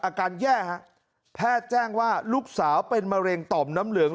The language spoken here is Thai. อาการแย่ฮะแพทย์แจ้งว่าลูกสาวเป็นมะเร็งต่อมน้ำเหลือง